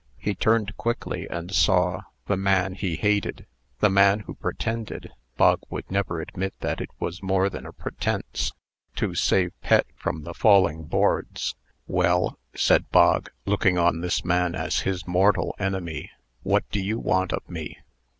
He turned quickly, and saw the man he hated the man who pretended (Bog would never admit that it was more than a pretence) to save Pet from the falling boards. "Well," said Bog, looking on this man as his mortal enemy, "What do you want of me?"